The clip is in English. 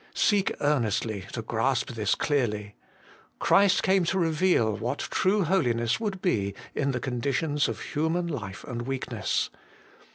Seek earnestly to grasp this clearly. Christ came to reveal what true holiness would be in the conditions of human life and weakness.